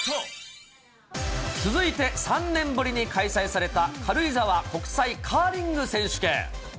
続いて３年ぶりに開催された軽井沢国際カーリング選手権。